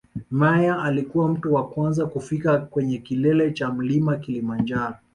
Meyer alikuwa mtu wa kwanza kufika kwenye kilele cha mlima kilimanjaro